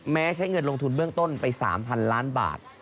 ใช้เงินลงทุนเบื้องต้นไป๓๐๐๐ล้านบาท